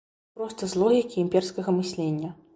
Проста з логікі імперскага мыслення.